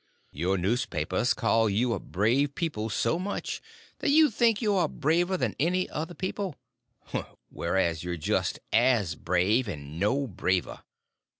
Your newspapers call you a brave people so much that you think you are braver than any other people—whereas you're just as brave, and no braver.